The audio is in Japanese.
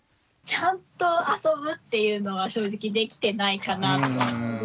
ちゃんと遊ぶっていうのは正直できてないかなと思いますね。